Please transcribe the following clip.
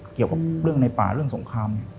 เกี่ยวกับเรื่องในป่าเรื่องสงคราม